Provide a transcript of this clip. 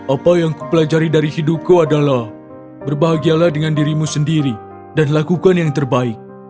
apa yang ku pelajari dari hidupku adalah berbahagialah dengan dirimu sendiri dan lakukan yang terbaik